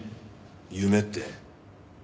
夢って？